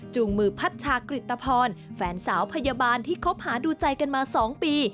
มือพัชชากริตภรแฟนสาวพยาบาลที่คบหาดูใจกันมา๒ปี